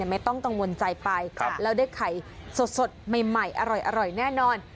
ไม่ต้องกังวลใจไปแล้วได้ไข่สดใหม่อร่อยแน่นอน